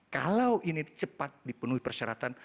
kalau ini cepat dipenuhi persyaratan